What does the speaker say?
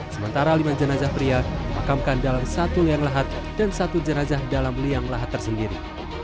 sementara lima jenazah pria dimakamkan dalam satu liang lahat dan satu jenazah dalam liang lahat tersendiri